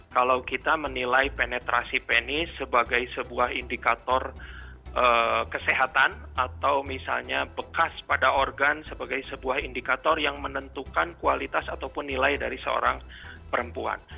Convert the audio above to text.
kalau kita menilai penetrasi penis sebagai sebuah indikator kesehatan atau misalnya bekas pada organ sebagai sebuah indikator yang menentukan kualitas ataupun nilai dari seorang perempuan